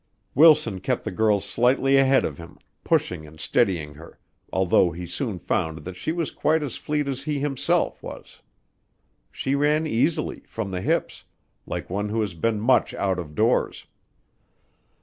Wilson kept the girl slightly ahead of him, pushing and steadying her, although he soon found that she was quite as fleet as he himself was. She ran easily, from the hips, like one who has been much out of doors.